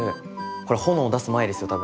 これ炎出す前ですよ多分。